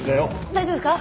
大丈夫ですか？